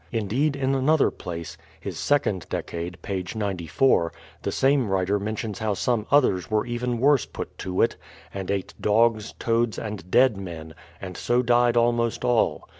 Indeed, in another place, — his Second Dec ade, page 94, the same writer mentions how some others were even worse put to it, and ate dogs, toads, and dead men, — and so died almost all.